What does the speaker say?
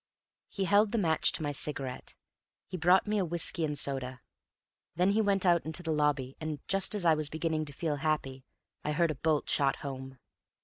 He held the match to my cigarette; he brought me a whiskey and soda. Then he went out into the lobby, and, just as I was beginning to feel happy, I heard a bolt shot home.